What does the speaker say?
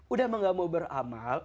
udah gak mau beramal